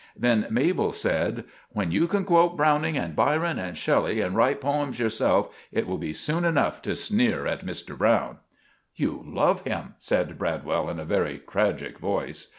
Then Mabel said: "When you can quote Browning and Byron and Shelley, and write poems yourself, it will be soon enough to sneer at Mr. Browne." "You love him," said Bradwell, in a very tragik voice.